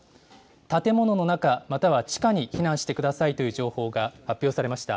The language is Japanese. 建物の中、または地下に避難してくださいという情報が発表されました。